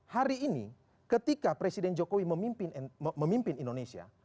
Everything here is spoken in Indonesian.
hari ini ketika presiden jokowi memimpin indonesia